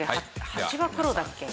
ハチは黒だっけ？